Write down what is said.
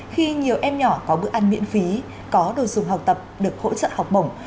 khi nhiều em nhỏ có bữa ăn miễn phí có đồ dùng học tập được hỗ trợ học bổng